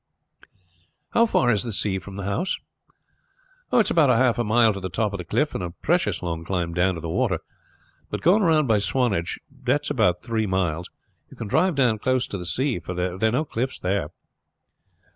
"How far is the sea from the house?" "It's about half a mile to the top of the cliff, and a precious long climb down to the water; but going round by Swanage which is about three miles you can drive down close to the sea, for there are no cliffs there."